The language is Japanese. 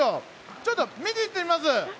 ちょっと見に行ってみます。